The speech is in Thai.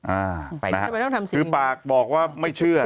ทำไมต้องทำสีคือปากบอกว่าไม่เชื่อ